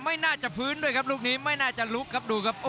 ไม่น่าจะฟื้นด้วยครับลูกนี้ไม่น่าจะลุกครับดูครับ